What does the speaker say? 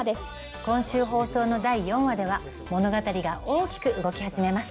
今週放送の第４話では物語が大きく動き始めます。